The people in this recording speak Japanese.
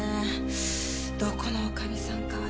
どこの女将さんかはちょっと。